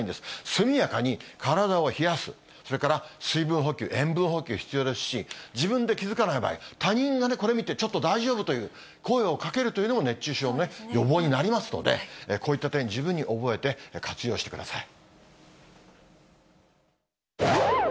速やかに体を冷やす、それから水分補給、塩分補給必要ですし、自分で気付かない場合、他人がこれ見て、ちょっと大丈夫？という声をかけるというのも、熱中症の予防になりますので、こういった点、十分に覚えて活用してください。